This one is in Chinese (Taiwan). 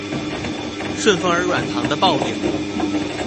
順風耳軟糖的報應